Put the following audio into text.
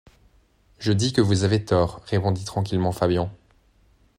Je dis que vous avez tort, répondit tranquillement Fabian.